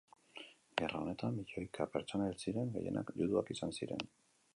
Gerra honetan milioika pertsona hil ziren, gehienak juduak izan ziren.